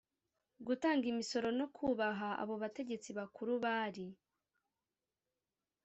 gutanga imisoro no kubaha abo abategetsi bakuru bari